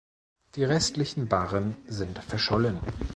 Die restlichen Barren sind verschollen.